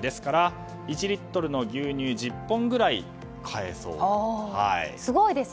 ですから１リットルの牛乳が１０本くらいすごいですね。